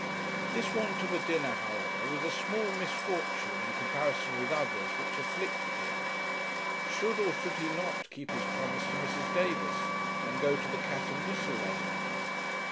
This want of a dinner, however, was a small misfortune in comparison with others which afflicted him. Should or should he not keep his promise to Mrs. Davis, and go to the 'Cat and Whistle' that evening?